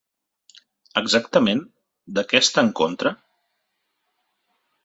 Exactament, de què està en contra?